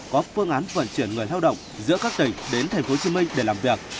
có phương án vận chuyển người lao động giữa các tỉnh đến tp hcm để làm việc